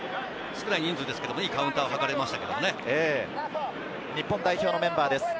少ない人数ですけどいいカウンターを図れましたね。